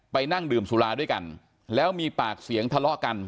นั่งดื่มสุราด้วยกันแล้วมีปากเสียงทะเลาะกัน